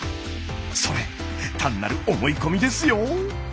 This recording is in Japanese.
それ単なる思い込みですよ。